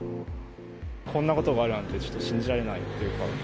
こんなことがあるなんて、ちょっと信じられないというか。